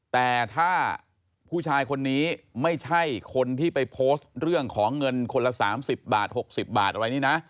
แต่ถ้าผู้ชายคนนี้ไม่ใช่คนที่ไปโพสต์เรื่องของเงินคนละ๓๐บาท๖๐บาทอะไรนี่นะ